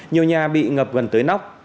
nhiều nhà bị ngập gần tới nóc